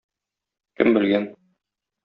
Кем белгән...